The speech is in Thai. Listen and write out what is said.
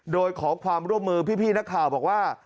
โดยขอความร่วมมือพี่นักข่าวบอกว่า